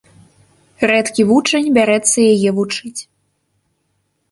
Рэдкі вучань бярэцца яе вучыць.